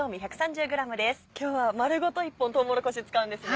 今日は丸ごと１本とうもろこし使うんですね。